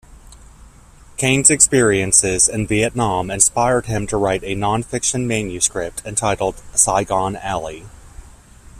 Cain's experiences in Vietnam inspired him to write a non-fiction manuscript entitled "Saigon Alley".